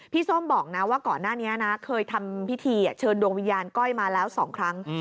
ส้มบอกนะว่าก่อนหน้านี้นะเคยทำพิธีเชิญดวงวิญญาณก้อยมาแล้ว๒ครั้ง